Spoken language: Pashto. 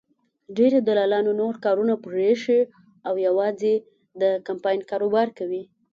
ډېرو دلالانو نور کارونه پرېښي او یوازې د کمپاین کاروبار کوي.